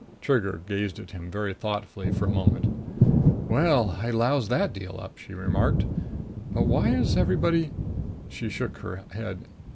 Trigger gazed at him very thoughtfully for a moment. "Well, I loused that deal up!" she remarked. "But why is everybody " She shook her head.